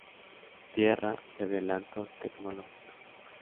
Tierra de adelantos tecnológicos.